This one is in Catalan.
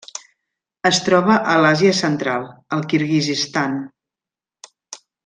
Es troba a l'Àsia Central: el Kirguizistan.